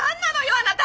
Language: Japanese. あなた！